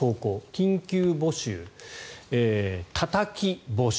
緊急募集たたき募集。